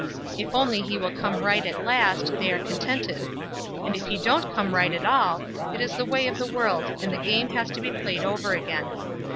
If only he will come right at last, they are contented. And if he don't come right at all, it is the way of the world, and the game has to be played over again.